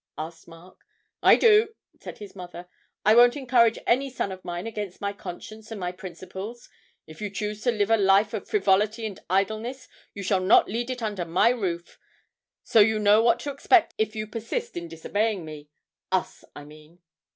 asked Mark. 'I do,' said his mother. 'I won't encourage any son of mine against my conscience and my principles. If you choose to live a life of frivolity and idleness, you shall not lead it under my roof; so you know what to expect if you persist in disobeying me us, I mean.'